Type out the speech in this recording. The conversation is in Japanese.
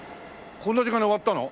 こんな時間に終わったの？